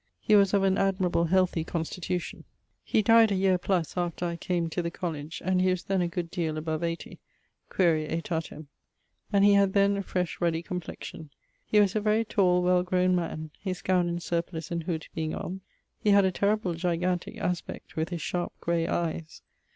He was of an admirable healthy constitution. He dyed a yeare + after I came to the Colledge, and he was then a good deale above 80 (quaere aetatem), and he had then a fresh ruddy complexion. He was a very tall well growne man. His gowne and surplice and hood being on, he had a terrible gigantique aspect, with his sharp gray eies.